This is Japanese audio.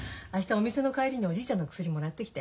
お店の帰りにおじいちゃんの薬もらってきて。